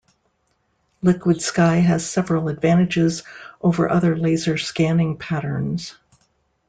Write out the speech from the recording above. Liquid sky has several advantages over other laser scanning patterns.